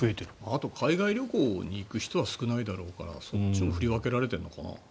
あと海外旅行に行く人は少ないだろうからそっちに振り分けられているのかな。